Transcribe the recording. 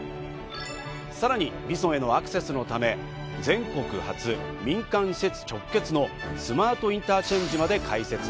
さらにＶＩＳＯＮへのアクセスのため、全国初、民間施設直結のスマートインターチェンジまで開設。